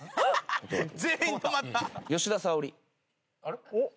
吉田沙保里。